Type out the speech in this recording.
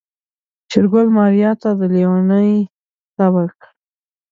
شېرګل ماريا ته د ليونۍ خطاب وکړ.